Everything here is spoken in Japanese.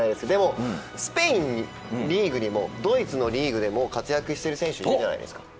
でも、スペインのリーグでもドイツのリーグでも活躍している選手いるじゃないですか。